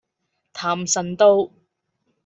譚臣道